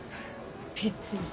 別に。